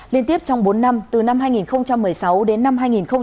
liên tiếp trong bốn năm từ năm hai nghìn một mươi sáu đến năm hai nghìn một mươi tám